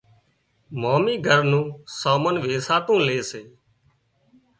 مامي گھر نُون سامان ويساتو لي سي